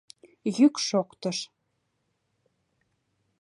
— Йӱк шоктыш.